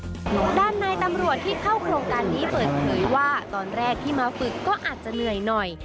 ด้านในตำรวจที่เข้าโครงการนี้เปิดเผยว่าตอนแรกที่มาฝึกก็อาจจะเหนื่อยหน่อย